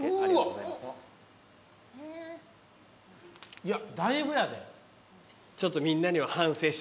いやだいぶやで。